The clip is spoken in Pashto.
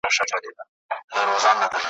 او تر آس نه یم په لس ځله غښتلی ,